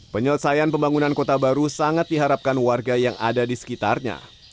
penyelesaian pembangunan kota baru sangat diharapkan warga yang ada di sekitarnya